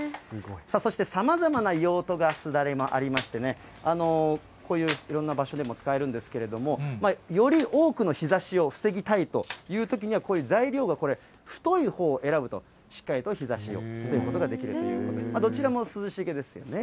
そしてさまざまな用途がすだれもありましてね、こういういろんな場所でも使えるんですけども、より多くの日ざしを防ぎたいというときには、こういう材料がこれ、太いほうを選ぶと、しっかりと日ざしを防ぐことができるということで、どちらも涼しげですよね。